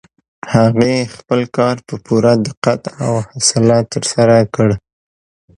هغې خپل کار په پوره دقت او حوصله ترسره کړ.